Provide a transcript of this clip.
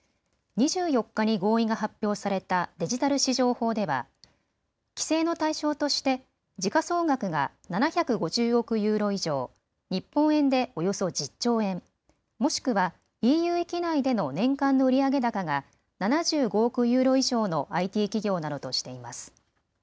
２４日に合意が発表されたデジタル市場法では規制の対象として時価総額が７５０億ユーロ以上、日本円でおよそ１０兆円、もしくはＥＵ域内での年間の売上高が７５億ユーロ以上のＩＴ企業などとしています。